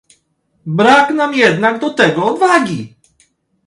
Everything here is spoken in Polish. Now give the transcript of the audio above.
Brak nam jednak do tego odwagi